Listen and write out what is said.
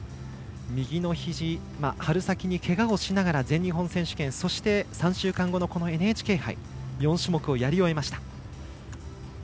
右のひじ、春先にけがをしながら全日本選手権そして３週間後のＮＨＫ杯４種目をやり終えました。